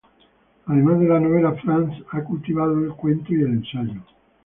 Además de la novela Franz ha cultivado el cuento y el ensayo.